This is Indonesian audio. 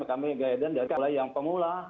kami guidance dari mulai yang pemula